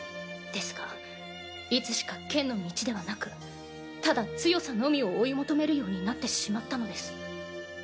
ですがいつしか剣の道ではなくただ強さのみを追い求めるようになってしまったのです。